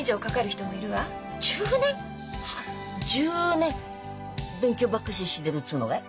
はあ１０年勉強ばっかししでるっつうのかい？